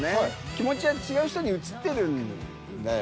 気持ちは違う人に移ってるんだよ